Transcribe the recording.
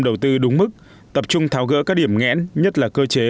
đầu tư đúng mức tập trung tháo gỡ các điểm nghẽn nhất là cơ chế